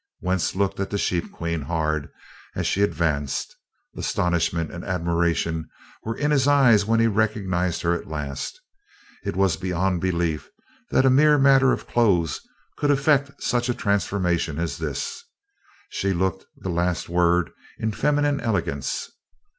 Wentz looked at the "Sheep Queen" hard as she advanced. Astonishment and admiration were in his eyes when he recognized her at last. It was beyond belief that a mere matter of clothes could effect such a transformation as this. She looked the last word in feminine elegance.